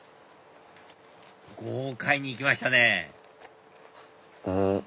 豪快にいきましたねうん！